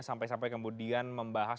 sampai sampai kemudian membahas